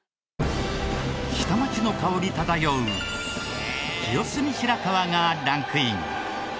下町の香り漂う清澄白河がランクイン。